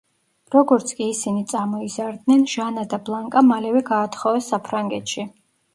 როგორც კი ისინი წამოიზარდნენ, ჟანა და ბლანკა მალევე გაათხოვეს საფრანგეთში.